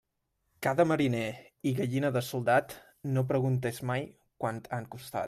Ca de mariner i gallina de soldat, no preguntes mai quant han costat.